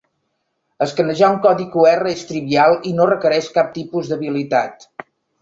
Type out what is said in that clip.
Escanejar un codi QR és trivial y no requereix cap tipus d'habilitat.